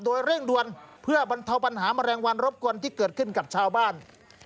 โดยเร่งด่วนเพื่อบรรเทาปัญหาแมลงวันรบกวนที่เกิดขึ้นกับชาวบ้าน